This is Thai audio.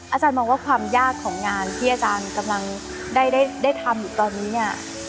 อาจารย์มองว่าความยากของงานที่อาจารย์กำลังได้ทำอยู่ตอนนี้เนี่ย